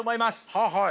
はあはい。